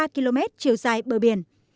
tám trăm linh ba km chiều dài bờ biển